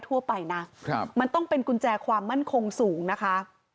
ทั่วไปนะครับมันต้องเป็นกุญแจความมั่นคงสูงนะคะ